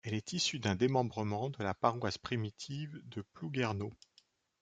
Elle est issue d'un démembrement de la paroisse primitive de Plouguerneau.